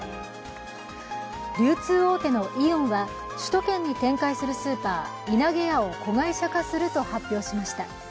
流通大手のイオンは首都圏に展開するスーパーいなげやを子会社化すると発表しました。